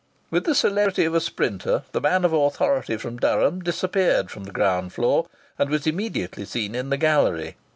With the celebrity of a sprinter the man of authority from Durham disappeared from the ground floor and was immediately seen in the gallery.